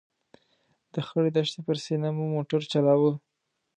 د خړې دښتې پر سینه مو موټر چلاوه.